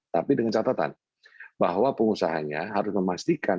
tapi dengan catatan bahwa pengusahanya harus memastikan